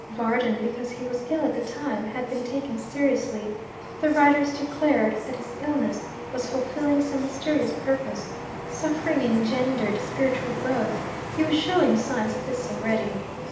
Varden, because he was ill at the time, had been taken seriously. The writers declared that his illness was fulfilling some mysterious purpose: suffering engendered spiritual growth: he was showing signs of this already.